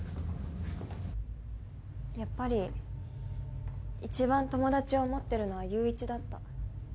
やっぱり一番友達を思ってるのは友一だった。